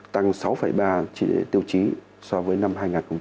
tăng sáu ba tiêu chí so với năm hai nghìn một mươi một